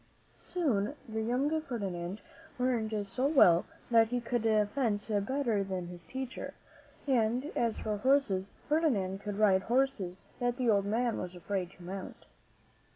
Soon the young Fer dinand learned so well that he could fence better than his teacher, and as for horses, Ferdinand could ride horses that the old man was afraid to mount.